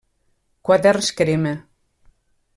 Quaderns Crema.